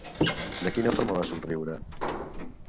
De quina forma va somriure?